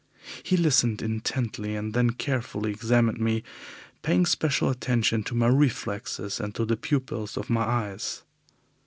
He listened intently, and then carefully examined me, paying special attention to my reflexes and to the pupils of my eyes.